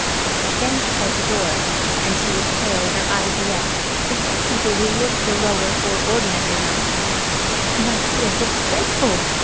Then she said to Dora–and she was pale and her eyes red, just like people who live the lower or ordinary life–"My dears, it's dreadful!